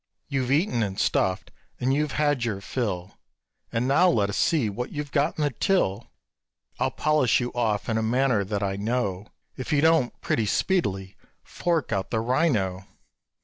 You've eaten and stuffed, and you've had your fill, And now let us see what you've got in the till: I'll polish you off in a manner that I know If you don't pretty speedily fork out the rhino!"